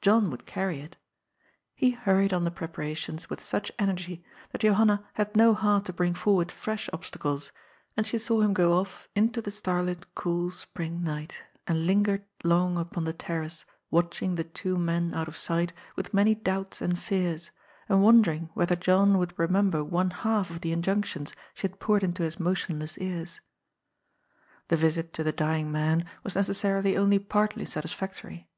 John would carry it. He hurried on the preparations with such energy, that Johanna had no heart to bring forward fresh obstacles, and she saw him go off into the starlit cool spring night, and lingered long upon the terrace, watching the two men out of sight with many doubts and fears, and wondering whether John would re* member one half of the injunctions she had poured into his motionless ears. The visit to the dying man was necessarily only partly satisfactory.